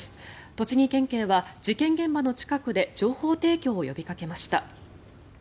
栃木県警は事件現場の近くで情報提供を呼びかけました。